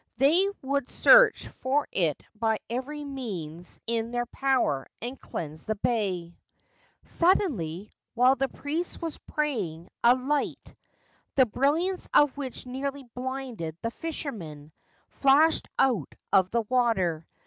They would search for it by every means in their power and cleanse the bay. Suddenly, while the priest was praying, a light, the brilliance of which nearly blinded the fishermen, flashed out of the water.